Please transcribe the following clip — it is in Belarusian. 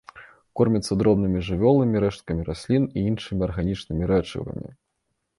Кормяцца дробнымі жывёламі, рэшткамі раслін і іншымі арганічнымі рэчывамі.